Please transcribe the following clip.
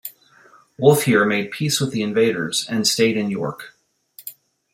Wulfhere made peace with the invaders and stayed in York.